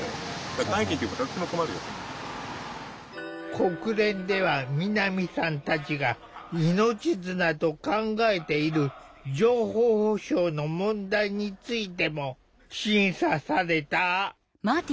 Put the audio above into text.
国連では南さんたちが命綱と考えている情報保障の問題についても審査された。